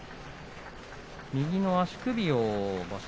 右の足首を場所